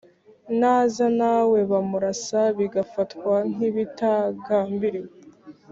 naza nawe bamurasa bigafatwa nkibitagambiriwe